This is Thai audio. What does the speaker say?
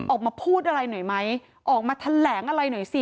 ออกมาพูดอะไรหน่อยไหมออกมาแถลงอะไรหน่อยสิ